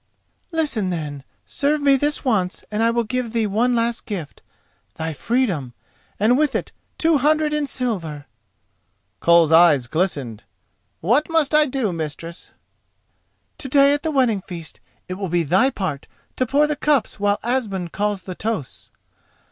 "Listen then: serve me this once and I will give thee one last gift—thy freedom, and with it two hundred in silver." Koll's eyes glistened. "What must I do, mistress?" "To day at the wedding feast it will be thy part to pour the cups while Asmund calls the toasts.